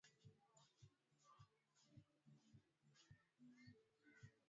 Katika Uhai wake Klaudio Suetonius anakumbuka jinsi mfalme Tiberius mjomba wake Gayo